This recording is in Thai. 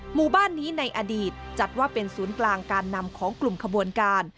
หมู่บ้านนี้ในอดีตจัดว่าเป็นศูนย์กลางการนำของกลุ่มขบวนการ